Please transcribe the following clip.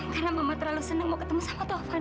karena mama terlalu seneng mau ketemu sama taufan